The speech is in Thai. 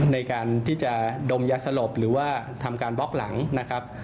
ในการที่จะดมยาสลบหรือว่าทำการบล็อกหลังนะครับ